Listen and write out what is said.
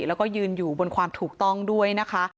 แล้วก็ยืนอยู่บนความถูกต้องด้วยนะคะ